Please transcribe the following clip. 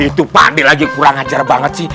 itu pak d lagi kurang ajar banget sih